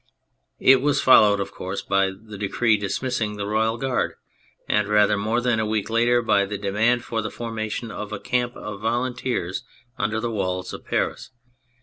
It was followed, of course, by the decree dismissing the Royal Guard, and, rather more than a week later, by the demand for the formation of a camp of volunteers under the walls of Paris.